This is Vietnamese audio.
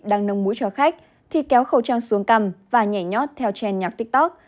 đăng nâng mũi cho khách thì kéo khẩu trang xuống cầm và nhảy nhót theo trend nhạc tiktok